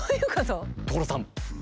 所さん！